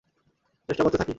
চেষ্টা করতে থাকি।